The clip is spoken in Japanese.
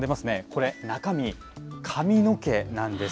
これ、中身、髪の毛なんです。